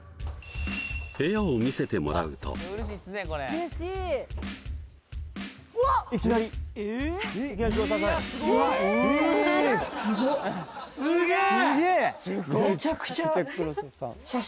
部屋を見せてもらうとすげえ！